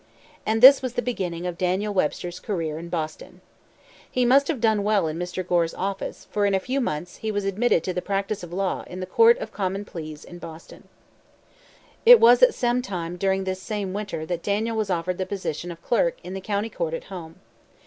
And this was the beginning of Daniel Webster's career in Boston. He must have done well in Mr. Gore's office; for, in a few months, he was admitted to the practice of law in the Court of Common Pleas in Boston. It was at some time during this same winter that Daniel was offered the position of clerk in the County Court at home.